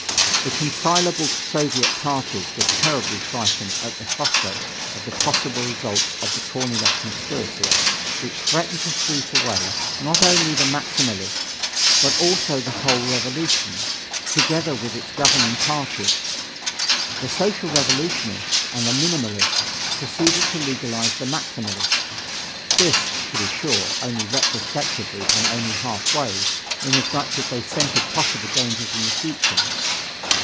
The conciliable Soviet parties were terribly frightened at the prospect of the possible results of the Korniloff conspiracy, which threatened to sweep away, not only the Maximalists, but also the whole revolution, together with its governing parties. The Social Revolutionists and the Minimalists proceeded to legalize the Maximalists this, to be sure, only retrospectively and only half way, inasmuch as they scented possible dangers in the future.